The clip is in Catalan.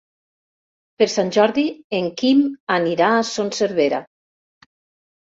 Per Sant Jordi en Quim anirà a Son Servera.